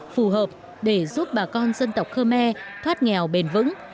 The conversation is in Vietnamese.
phù hợp để giúp bà con dân tộc khmer thoát nghèo bền vững